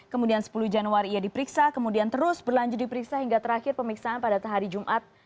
kemudian sepuluh januari ia diperiksa kemudian terus berlanjut diperiksa hingga terakhir pemeriksaan pada hari jumat